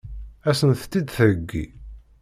Ad sent-tt-id-theggi?